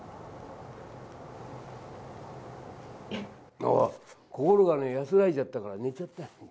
あっ、心が安らいじゃったから寝ちゃったよ。